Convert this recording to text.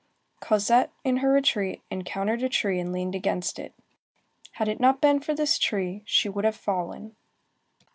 Cosette, in her retreat, encountered a tree and leaned against it. Had it not been for this tree, she would have fallen.